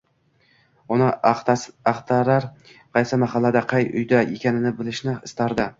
uni axtarar, qaysi mahallada, qay uyda ekanini bilishni istardi.